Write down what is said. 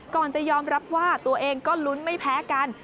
ก่อนจะยอมรับว่าตัวเองก็ลุ้นไม่แพ้กัน